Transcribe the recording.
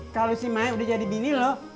kalo si mae udah jadi bini lo